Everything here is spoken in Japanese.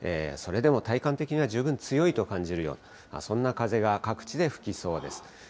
それでも体感的には十分強いと感じるような、そんな風が各地で吹きそうです。